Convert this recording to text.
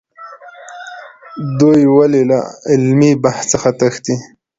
دوی ولې له علمي بحث څخه تښتي؟